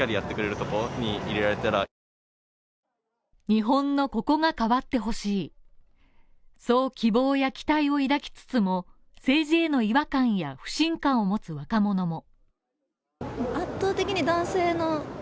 日本のここが変わってほしい、そう、希望や期待を抱きつつも政治への違和感や不信感を持つ若者も。